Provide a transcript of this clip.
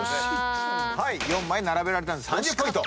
４枚並べられたんで３０ポイント。